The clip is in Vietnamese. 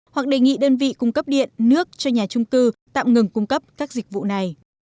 hoặc đề nghị đơn vị cung cấp điện nước cho nhà trung cư tạm ngừng cung cấp các dịch vụ này